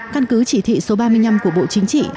căn cứ chỉ thị số ba mươi năm của bộ chính trị